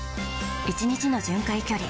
１日の巡回距離